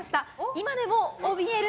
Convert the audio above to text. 今でもおびえる！